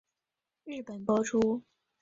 日本播出。